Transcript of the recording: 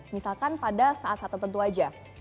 misalkan pada saat saat tertentu saja